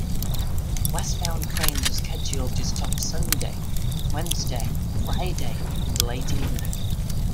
Westbound trains are scheduled to stop Sunday, Wednesday, Friday in the late evening.